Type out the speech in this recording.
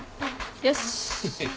よし。